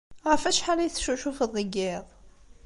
Ɣef wacḥal ay teccucufeḍ deg yiḍ?